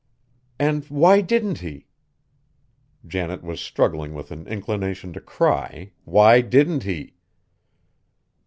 "And why didn't he?" Janet was struggling with an inclination to cry, "why didn't he?"